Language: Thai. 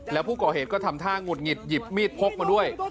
แล้วผู้ก่อเหตุก็ทำท่าหงุดหงิดหยิบมีดพกมาด้วย